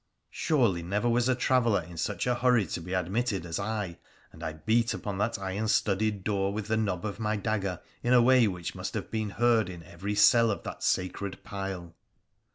Surely never was a traveller in such a hurry to be admitted as I, and I beat upon that iron studded door with the knob of my dagger in a way which must have been heard in every cell of that sacred pile.